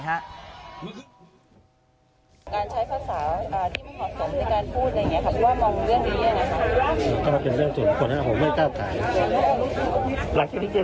การใช้ภาษาที่มันผสมในการพูดว่ามองเรื่องนี้อย่างไรครับ